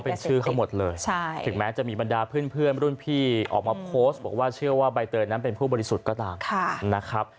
เป็นชื่อเขาหมดเลยถึงแม้จะมีบรรดาเพื่อนรุ่นพี่ออกมาโพสต์บอกว่าเชื่อว่าใบเตยนั้นเป็นผู้บริสุทธิ์ก็ตามนะครับ